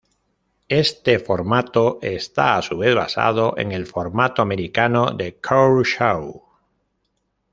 Este formato está a su vez basado en el formato americano de "court show".